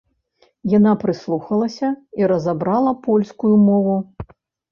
Яна прыслухалася і разабрала польскую мову.